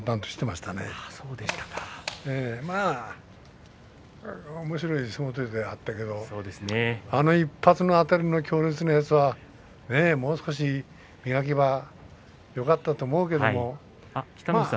まあ、おもしろい相撲取りではあったけどあの１発のあたりの強烈なやつはもう少し磨けばよかったと思うけれど。